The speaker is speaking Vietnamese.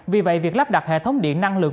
vì vậy việc lắp đặt hệ thống điện năng lượng